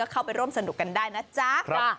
ก็เข้าไปร่วมสนุกกันได้นะครับ